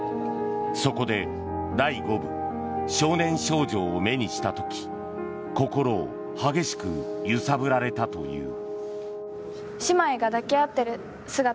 そこで第５部「少年少女」を目にした時心を激しく揺さぶられたという。